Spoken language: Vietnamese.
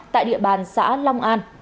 tại địa bàn xã long an